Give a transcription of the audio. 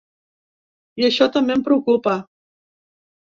I això també em preocupa.